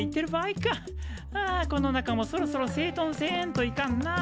あこの中もそろそろせいとんせんといかんな。